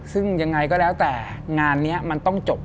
ซึ่งยังไงก็แล้วแต่งานนี้มันต้องจบ